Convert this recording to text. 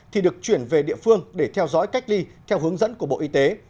thì được chuyển về địa phương để theo dõi cách ly theo hướng dẫn của bộ y tế